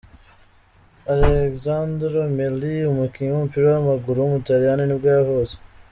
Alessandro Melli, umukinnyi w’umupira w’amaguru w’umutaliyani nibwo yavutse.